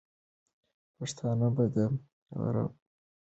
پښتانه به د غرب پر لښکر بری موندلی وي.